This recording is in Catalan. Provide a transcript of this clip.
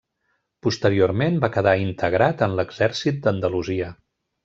Posteriorment va quedar integrat en l'Exèrcit d'Andalusia.